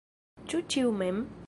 Ĉu ĉiu mem?